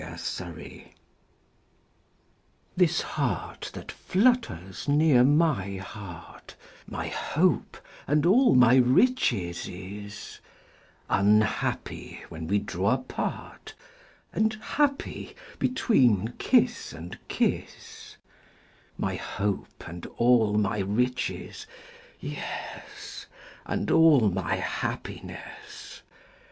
5 Autoplay This heart that flutters near my heart My hope and all my riches is, Unhappy when we draw apart And happy between kiss and kiss: My hope and all my riches yes! And all my happiness.